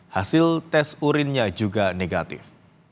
hasil tes urinnya juga negatif